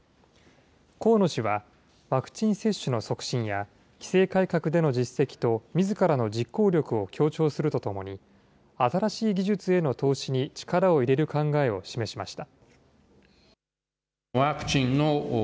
河野氏はワクチン接種の促進や、規制改革での実績とみずからの実行力を強調するとともに、新しい技術への投資に力を入れる考えを示しました。